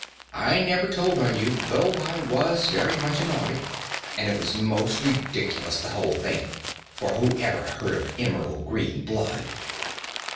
I never told on you, though I was very much annoyed, and it was most ridiculous, the whole thing; for who ever heard of emerald green blood?"